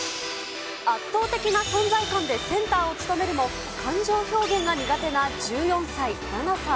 圧倒的な存在感でセンターを務めるも、感情表現が苦手な１４歳、ナナさん。